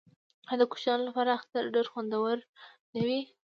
آیا د کوچنیانو لپاره اختر ډیر خوندور نه وي؟